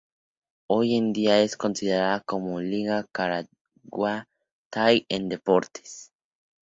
Hoy en día es considerada como Liga Caraguatay de Deportes.